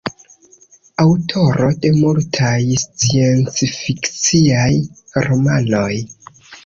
Aŭtoro de multaj sciencfikciaj romanoj.